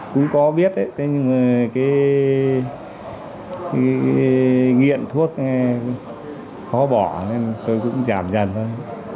cũng có biết đấy nhưng mà cái nghiện thuốc khó bỏ nên tôi cũng giảm dần thôi